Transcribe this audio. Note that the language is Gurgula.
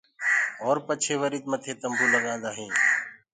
اور پڇي وري مٿي تمبو لگآندآ هينٚ۔